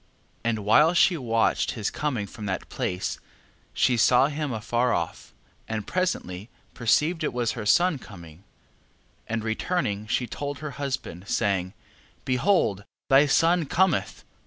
11:6. And while she watched his coming from that place, she saw him afar off, and presently perceived it was her son coming: and returning she told her husband, saying: Behold thy son cometh.